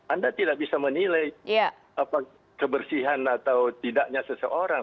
anda tidak bisa menilai kebersihan atau tidaknya seseorang